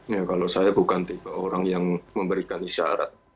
ya kalau saya bukan tipe orang yang memberikan isyarat